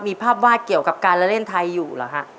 มีภาพวาดเกี่ยวกับการเล่นไทยอยู่เหรอฮะ